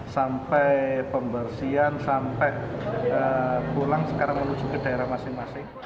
sampai pembersihan sampai pulang sekarang menuju ke daerah masing masing